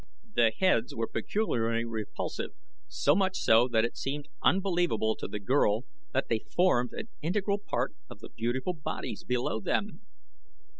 The heads were peculiarly repulsive so much so that it seemed unbelievable to the girl that they formed an integral part of the beautiful bodies below them.